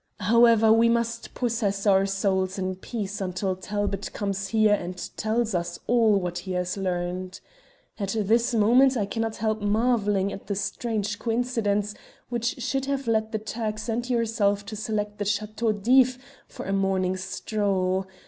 However, we must possess our souls in peace until Talbot comes here and tells us all what he has learnt. At this moment I cannot help marvelling at the strange coincidence which should have led the Turks and yourself to select the Chateau d'If for a morning stroll.